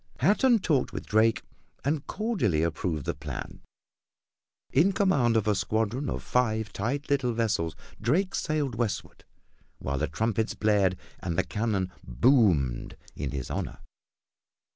Hatton talked with Drake and cordially approved the plan; and in a short time, in command of a squadron of five tight little vessels Drake sailed westward, while the trumpets blared and the cannon boomed in his honor.